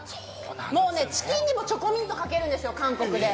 もうチキンにもチョコミントをかけるんですよ、韓国で。